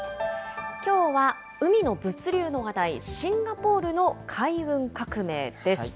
きょうは、海の物流の話題、シンガポールの海運革命です。